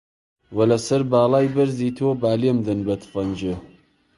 وە لە سەر باڵای بەرزی تۆ، با لێم دەن بە تفەنگێ